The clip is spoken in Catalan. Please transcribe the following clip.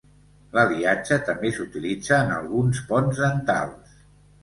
L'aliatge també s'utilitza en alguns ponts dentals.